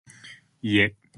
Yep.